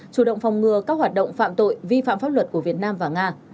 chủ động phòng ngừa các hoạt động phạm tội vi phạm pháp luật của việt nam và nga